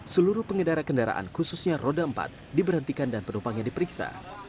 seluruh pengendara kendaraan khususnya roda empat diberhentikan dan penumpangnya diperiksa